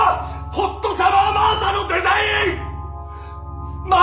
ホットサマー・マーサのデザインッ！